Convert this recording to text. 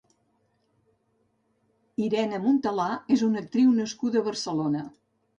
Irene Montalà és una actriu nascuda a Barcelona.